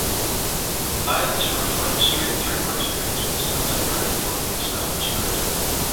Pilots were flying straight through mountain ranges and diverting from the established route.